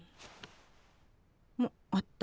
ああった。